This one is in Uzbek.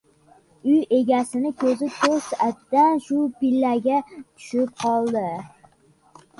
Uy egasining koʻzi toʻsatdan shu pillaga tushib qoldi